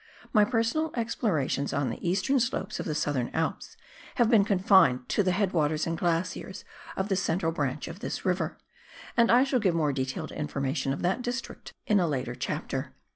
My personal explorations on the eastern slopes of the Southern Alps have been confined to the head waters and glaciers of the central branch of this river, and I shall give more detailed information of tbat district in a later chapter.